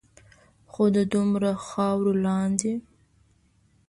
خو د دومره خاورو لاندے